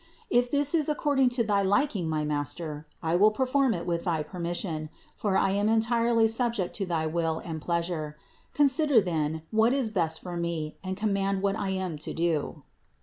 If this is ac cording to thy liking, my master, I will perform it with thy permission, for I am entirely subject to thy will and pleasure. Consider then what is best for me and com mand what I am to do."